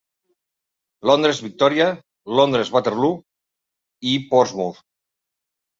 Londres-Victòria, Londres-Waterloo i Portsmouth.